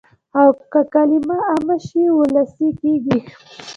که کلمه عامه شي وولسي کېږي.